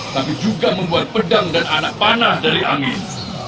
tapi juga membuat pedang dan anak panah dari angin